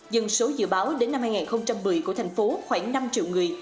dân số dự báo đến năm hai nghìn một mươi của thành phố khoảng năm triệu người